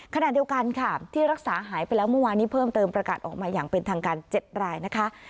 ขณะเดียวกันค่ะที่รักษาหายไปแล้วเมื่อวานนี้เพิ่มเติมประกาศออกมาอย่างเป็นทางการ๗รายนะคะ